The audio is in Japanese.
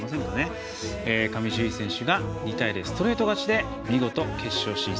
上地結衣選手が２対０、ストレート勝ちで見事、決勝進出。